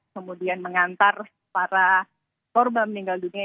kemudian mengantar para korban meninggal dunia